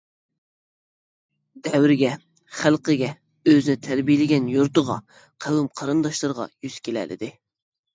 دەۋرگە، خەلقىگە، ئۆزىنى تەربىيەلىگەن يۇرتىغا، قوۋم-قېرىنداشلىرىغا يۈز كېلەلىدى.